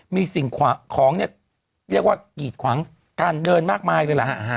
มีสิ่งของเนี่ยเรียกว่ากีดขวางการเดินมากมายเลยล่ะ